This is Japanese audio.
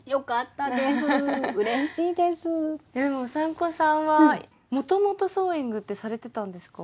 でもうさんこさんはもともとソーイングってされてたんですか？